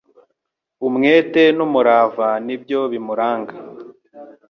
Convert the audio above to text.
Umwete n’umurava ni byo bimuranga